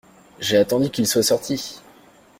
J’ai attendu qu’ils soient sortis !…